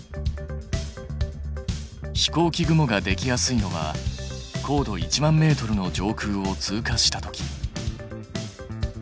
飛行機雲ができやすいのは高度１万ｍの上空を通過した時。